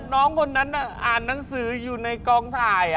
น้องคนนั้นอ่านหนังสืออยู่ในกองถ่าย